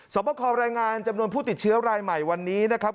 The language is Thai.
สอบประคอรายงานจำนวนผู้ติดเชื้อรายใหม่วันนี้นะครับ